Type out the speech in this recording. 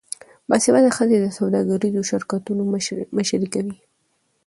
باسواده ښځې د سوداګریزو شرکتونو مشري کوي.